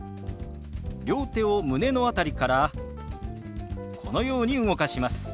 両手を胸の辺りからこのように動かします。